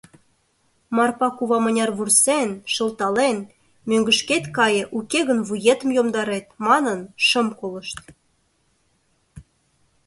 Марпа кува мыняр вурсен, шылтален, «мӧҥгышкет кае, уке гын вуетым йомдарет», манын — шым колышт.